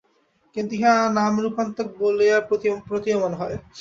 কিন্তু ইহা নামরূপান্তক বলিয়া প্রতীয়মান হয়।